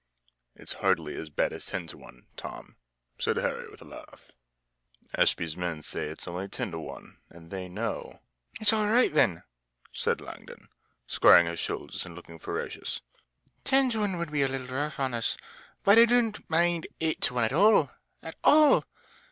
"It's hardly as bad as ten to one, Tom," said Harry with a laugh. "Ashby's men say it's only eight to one, and they know." "It's all right, then," said Langdon, squaring his shoulders, and looking ferocious. "Ten to one would be a little rough on us, but I don't mind eight to one at all! at all!